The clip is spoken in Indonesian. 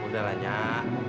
aduh udahlah nyak